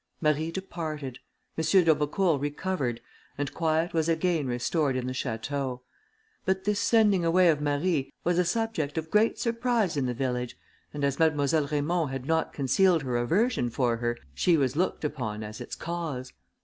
Marie departed; M. d'Aubecourt recovered; and quiet was again restored in the château: but this sending away of Marie was a subject of great surprise in the village, and as Mademoiselle Raymond had not concealed her aversion for her, she was looked upon as its cause.